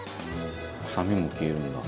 「臭みも消えるんだ」